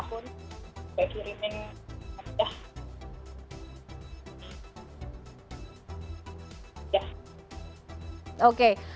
ya kemarin bulan oktober